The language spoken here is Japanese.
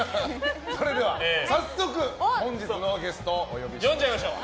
それでは早速、本日のゲストをお呼びしましょう。